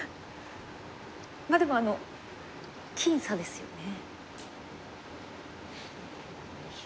まあでも僅差ですよね。